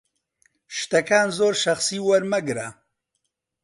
شتەکان زۆر شەخسی وەرمەگرە.